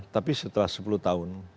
tapi setelah sepuluh tahun